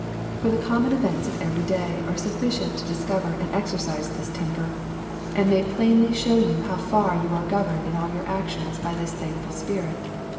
For the common events of every day are sufficient to discover and exercise this temper, and may plainly shew you how far you are governed in all your ac tions by this thankful spirit.